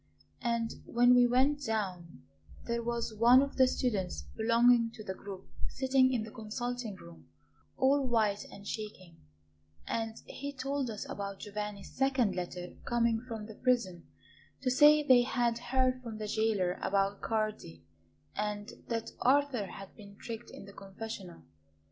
And when we went down there was one of the students belonging to the group sitting in the consulting room, all white and shaking; and he told us about Giovanni's second letter coming from the prison to say that they had heard from the jailer about Cardi, and that Arthur had been tricked in the confessional.